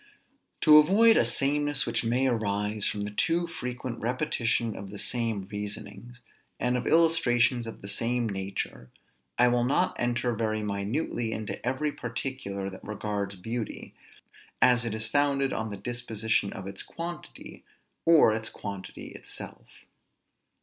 To avoid a sameness which may arise from the too frequent repetition of the same reasonings, and of illustrations of the same nature, I will not enter very minutely into every particular that regards beauty, as it is founded on the disposition of its quantity, or its quantity itself.